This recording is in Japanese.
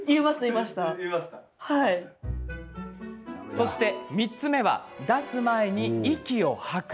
そして３つ目は出す前に息を吐く。